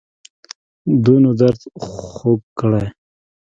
دونو درد خوږ کړی